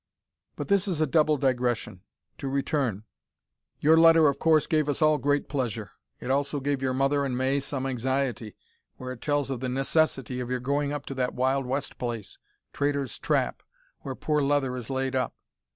"But this is a double digression. To return: your letter of course gave us all great pleasure. It also gave your mother and May some anxiety, where it tells of the necessity of your going up to that wild west place, Traitor's Trap, where poor Leather is laid up.